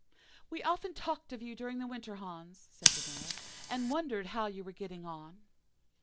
"'We often talked of you during the winter, Hans,' said the Miller, 'and wondered how you were getting on.